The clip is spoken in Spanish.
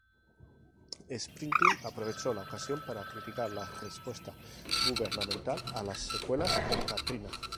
Springsteen aprovechó la ocasión para criticar la respuesta gubernamental a las secuelas del Katrina.